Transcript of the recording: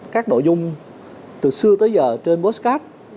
các nội dung từ xưa tới giờ trên postcard